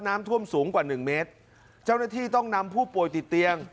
น้ำท่วมสูงกว่าหนึ่งเมตรเจ้าหน้าที่ต้องนำผู้ป่วยติดเตียง